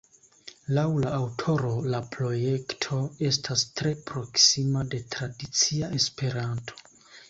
Laŭ la aŭtoro, la projekto estas tre proksima de tradicia Esperanto.